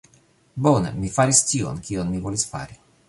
Bone. Mi faris ĉion, kion mi volis fari.